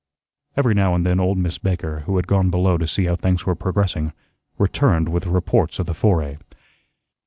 Every now and then old Miss Baker, who had gone below to see how things were progressing, returned with reports of the foray.